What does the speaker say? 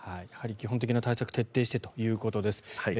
やはり基本的な対策を徹底してということです。